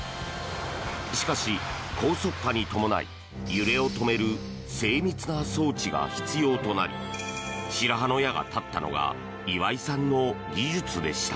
しかし、高速化に伴い揺れを止める精密な装置が必要となり白羽の矢が立ったのが岩井さんの技術でした。